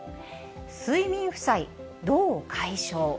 睡眠負債どう解消？